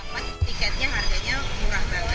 dapat tiketnya harganya murah banget cuma dua ratus dhaka saja